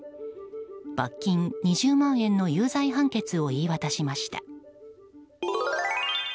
罰金２０万円の有罪判決を言い渡しました。